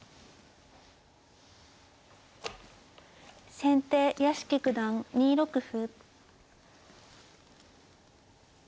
先手屋敷九段２六歩。